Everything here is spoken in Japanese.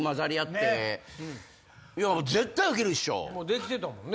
できてたもんね。